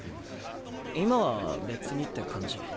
今は別にって感じ。